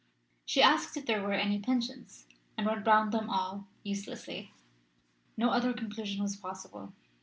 She asked if there were any pensions, and went round them all uselessly. No other conclusion was possible.